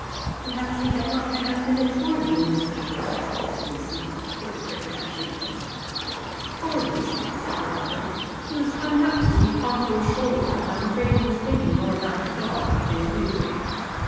"Perhaps he had not the half minute's warning in this case," said Lucy, hypocrite that she was. "Poor Lucy," said her brother; "he was coming up to see Ponto's shoulder, and I am afraid he was thinking more about the dog than you."